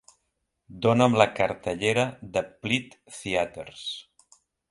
Dona'm la cartellera de Plitt Theatres